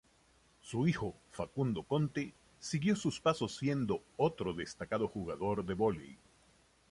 Su hijo Facundo Conte siguió sus pasos siendo otro destacado jugador de vóley.